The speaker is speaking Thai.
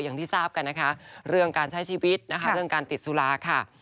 อย่างที่ทราบกันนะคะเรื่องการใช้ชีวิตนะคะเรื่องการติดสุราค่ะ